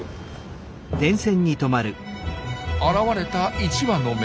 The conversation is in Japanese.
現れた１羽のメス。